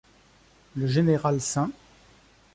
Le général St.